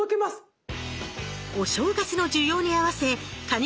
お正月の需要に合わせカニ